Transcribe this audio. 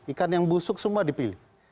ikan yang busuk semua dipilih